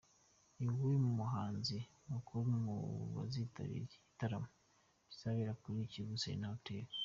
i we muhanzi mukuru mu bazitabira iki gitaramo kizabera kuri Kivu Serena Hotel.